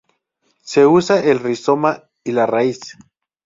Se usa el rizoma y la raíz.